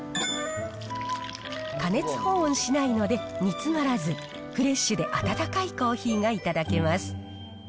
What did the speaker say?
加熱保温しないので煮詰まらず、フレッシュで温かいコーヒーが頂けます。